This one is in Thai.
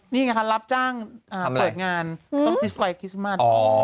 นี่ไงค่ะรับจ้างทำอะไรเปิดงานไฟคริสต์มันอ๋อ